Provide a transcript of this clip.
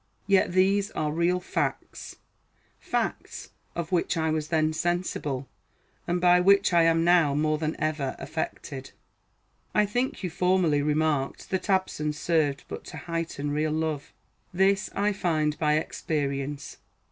Yet these are real facts facts of which I was then sensible, and by which I am now more than ever affected. I think you formerly remarked that absence served but to heighten real love. This I find by experience.